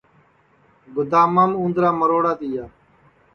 گُدامام اُندرا مروڑا تیا